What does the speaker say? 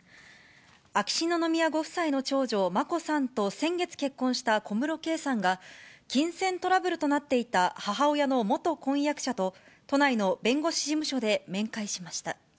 秋篠宮ご夫妻の長女、眞子さんと先月結婚した小室圭さんが、金銭トラブルとなっていた母親の元婚約者と、都内の弁護士事務所で面会しました。